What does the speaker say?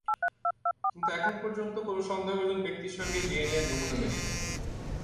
কিন্তু এখন পর্যন্ত কোনো সন্দেহভাজন ব্যক্তির সঙ্গেই ডিএনএ নমুনা মেলানো হয়নি।